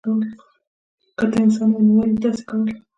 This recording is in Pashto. که ته انسان وای نو ولی دی داسی کول